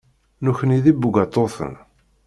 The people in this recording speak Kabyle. Nekkni d ibugaṭuten.